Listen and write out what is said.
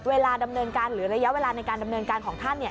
เวลาดำเนินการหรือระยะเวลาในการดำเนินการของท่าน